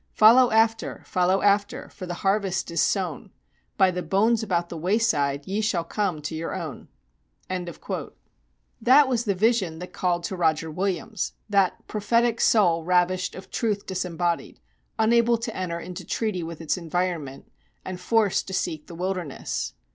"Follow after follow after for the harvest is sown: By the bones about the wayside ye shall come to your own!" This was the vision that called to Roger Williams, that "prophetic soul ravished of truth disembodied," "unable to enter into treaty with its environment," and forced to seek the wilderness.